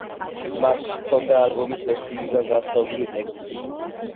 მას ჰქონდა ალბომის ვერსიისგან განსხვავებული ტექსტი.